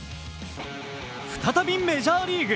再びメジャーリーグ。